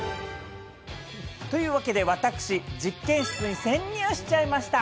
というわけで私、実験室に潜入しちゃいました。